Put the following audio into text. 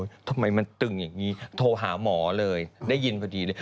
ทำไมมันตึงอย่างนี้โทรหาหมอเลยได้ยินพอดีเลย